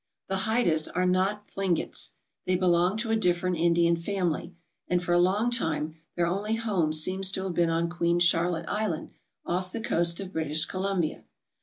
The Hydahs are not Thlingets. They belong to a different Indian family, and for a long time their only home seems to have been on Queen Charlotte Island off the coast of British Columbia.